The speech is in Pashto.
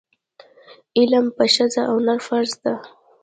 علم په ښځه او نر فرض ده.